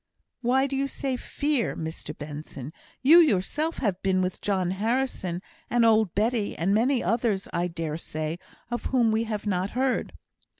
"Why do you say 'fear,' Mr Benson? You yourself have been with John Harrison, and old Betty, and many others, I dare say, of whom we have not heard."